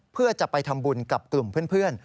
เพื่อจะไปทำบุญกับกลุ่มเพื่อน